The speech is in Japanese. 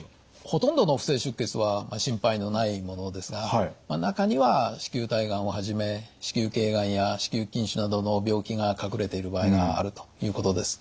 ほとんどの不正出血は心配のないものですが中には子宮体がんをはじめ子宮頸がんや子宮筋腫などの病気が隠れている場合があるということです。